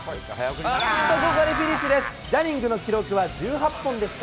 あっと、ここでフィニッシュです。